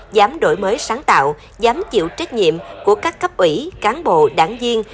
dám đổi mới sáng tạo dám chịu trách nhiệm của các cấp ủy cán bộ đảng viên